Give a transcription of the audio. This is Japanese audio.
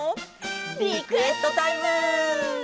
リクエストタイム！